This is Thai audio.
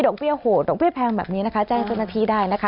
เบี้ยโหดดอกเบี้ยแพงแบบนี้นะคะแจ้งเจ้าหน้าที่ได้นะคะ